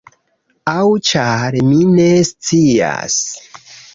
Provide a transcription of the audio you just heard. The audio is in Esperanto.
Aŭ… ĉar… mi ne scias.